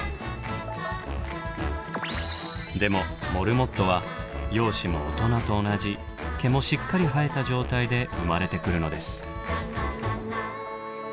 でもモルモットは容姿も大人と同じ毛もしっかり生えた状態で生まれてくるのです。